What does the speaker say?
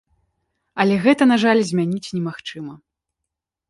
Але гэта, на жаль, змяніць немагчыма.